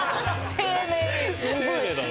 丁寧だな。